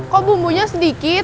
kok bumbunya sedikit